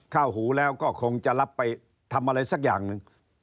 หูแล้วก็คงจะรับไปทำอะไรสักอย่างหนึ่ง